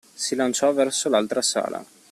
Si lanciò verso l'altra sala.